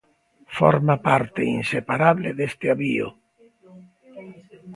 Forma parte inseparable deste avío.